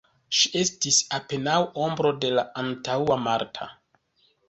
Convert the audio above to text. Ŝi estis apenaŭ ombro de la antaŭa Marta.